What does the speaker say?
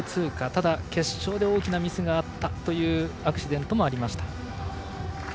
ただ、決勝で大きなミスがあったというアクシデントもありました。